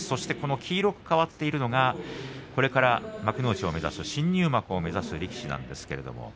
黄色く変わっているのはこれから幕内を目指す新入幕を目指す力士です。